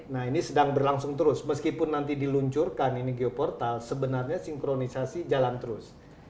nah ini sedang berlangsung terus meskipun nanti diluncurkan ini geoportal sebenarnya sinkronisasi jalan terus